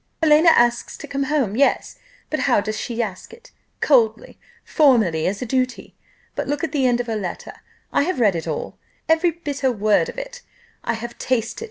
Helena asks to come home: yes, but how does she ask it? Coldly, formally, as a duty. But look at the end of her letter; I have read it all every bitter word of it I have tasted.